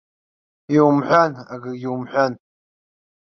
Иумҳәан, акагьы умҳәан!